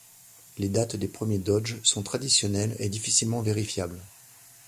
Les dates des premiers doges sont traditionnelles et difficilement vérifiables.